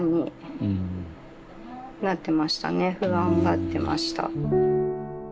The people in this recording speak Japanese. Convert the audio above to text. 不安がってました。